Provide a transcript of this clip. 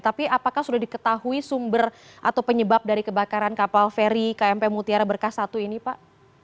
tapi apakah sudah diketahui sumber atau penyebab dari kebakaran kapal feri kmp mutiara berkas satu ini pak